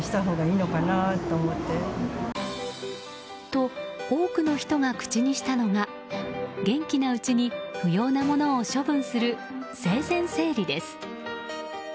と、多くの人が口にしたのが元気なうちに不要なものを処分する、生前整理です。